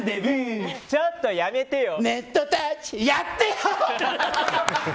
ちょっとやめてよ。